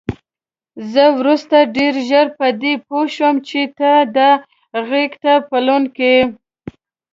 زه وروسته ډېره ژر په دې پوه شوم چې ته دا غېږ ته بلونکی.